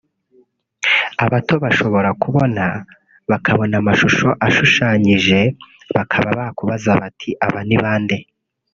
Abato bashobora kubona bakabona amashusho ashushanyije bakaba bakubaza bati ‘aba ni bande